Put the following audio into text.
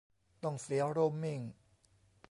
ต้องเสียโรมมิ่ง ?